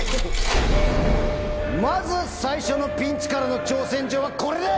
まず最初のピンチからの挑戦状はこれだ！